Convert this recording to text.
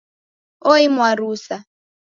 Oimwa rusa.